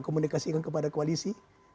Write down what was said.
komunikasi kepada koalisi